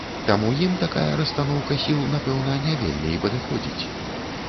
Таму ім такая расстаноўка сіл, напэўна, не вельмі і падыходзіць.